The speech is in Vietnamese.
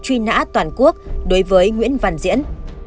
truy nã toàn quốc đối với nguyễn văn diễn